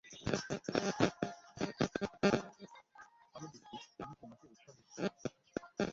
ভালো বুদ্ধি, আমি তোমাকে উৎসর্গ করছি!